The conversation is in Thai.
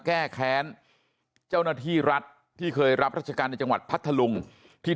แก้แค้นเจ้าหน้าที่รัฐที่เคยรับราชการในจังหวัดพัทธลุงที่